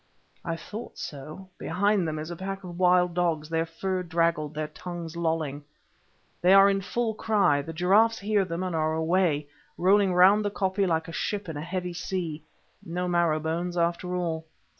I thought so—behind them is a pack of wild dogs, their fur draggled, their tongues lolling. They are in full cry; the giraffes hear them and are away, rolling round the koppie like a ship in a heavy sea. No marrow bones after all.